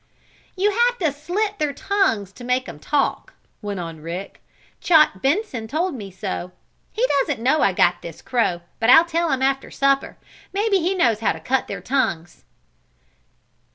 "You have to slit their tongues to make 'em talk," went on Rick. "Chot Benson told me so. He doesn't know I got this crow, but I'll tell him after supper. Maybe he knows how to cut their tongues."